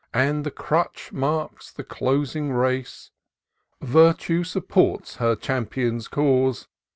And the crutch marks the closing race. Virtue supports her champion's cause.